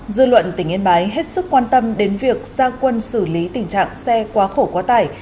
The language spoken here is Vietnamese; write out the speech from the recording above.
dư luận tỉnh yên bái hết sức quan tâm đến việc gia quân xử lý tình trạng xe quá khổ quá tải